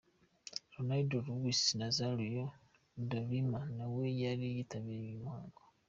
Ronaldo Luis Nazario da Lima nawe yari yitabiriye uyu muhango.